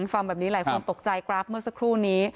ฟังแบบนี้หลายคนตกใจกราฟเมื่อสักครู่นี้